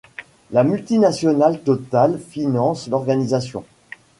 La multinationale Total finance l'organisation.